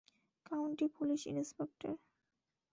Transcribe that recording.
County police inspector!